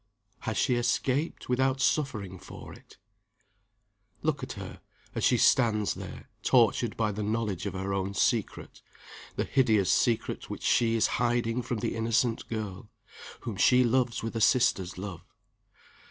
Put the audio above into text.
Has she escaped, without suffering for it? Look at her as she stands there, tortured by the knowledge of her own secret the hideous secret which she is hiding from the innocent girl, whom she loves with a sister's love.